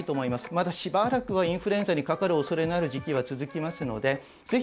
まだしばらくはインフルエンザにかかる恐れのある時期は続きますので。